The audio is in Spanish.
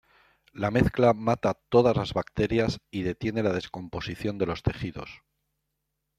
La mezcla mata todas las bacterias y detiene la descomposición de los tejidos.